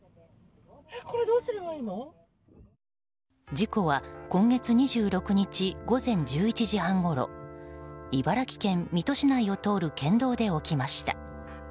事故は今月２６日午前１１時半ごろ茨城県水戸市内を通る県道で起きました。